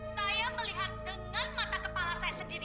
saya melihat dengan mata kepala saya sendiri